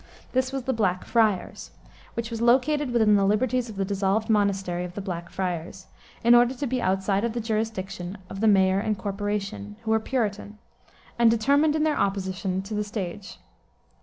This was the Black Friars, which was located within the liberties of the dissolved monastery of the Black Friars, in order to be outside of the jurisdiction of the Mayor and Corporation, who were Puritan, and determined in their opposition to the stage.